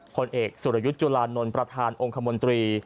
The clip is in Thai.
ผลเอกสุรยุทธ์จุลานนท์ประธานองค์คมนตรี